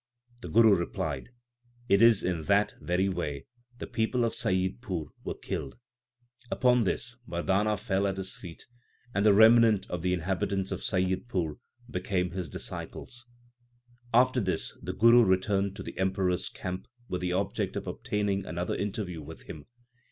The Guru replied, * It is in that very way the people of Saiyidpur were killed/ Upon this Mardana fell at his feet, and the remnant of the inhabitants of Saiyidpur became his disciples. After this the Guru returned to the Emperor s camp with the object of obtaining another interview with him.